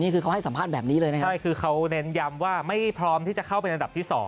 คือเขาให้สัมภาษณ์แบบนี้เลยนะครับใช่คือเขาเน้นย้ำว่าไม่พร้อมที่จะเข้าเป็นอันดับที่๒